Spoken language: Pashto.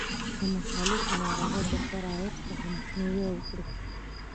د مختلفو ناروغیو د سرایت څخه مخنیوی وکړي.